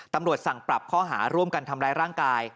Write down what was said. ตำรวจสั่งปรับข้อหาร่วมกันทำร้ายร่างกาย